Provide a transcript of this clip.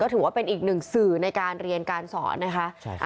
ถือว่าเป็นอีกหนึ่งสื่อในการเรียนการสอนนะคะ